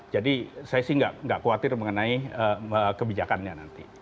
jadi saya sih nggak khawatir mengenai kebijakannya nanti